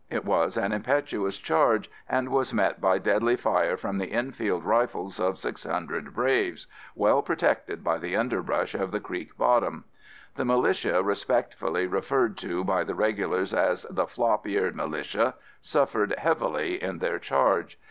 It was an impetuous charge and was met by deadly fire from the Enfield rifles of 600 braves, well protected by the underbrush of the creek bottom. The militia, respectfully referred to by the regulars as the "flop eared militia," suffered heavily in their charge.